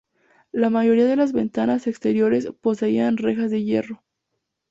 La mayoría de las ventanas exteriores poseían rejas de hierro.